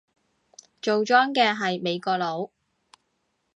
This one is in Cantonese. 做莊嘅係美國佬